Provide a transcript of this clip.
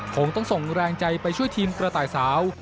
คงต้องส่งแรงใจไปช่วยทีมกระต่ายสาว